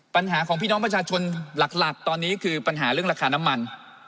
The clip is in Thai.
ปัญหาของพี่น้องประชาชนหลักตอนนี้คือปัญหาเรื่องราคาน้ำมัน